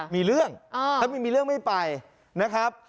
มีเรื่องถ้าไม่มีเรื่องไม่ไปนะครับ